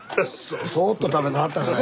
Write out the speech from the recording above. そっと食べてはったから。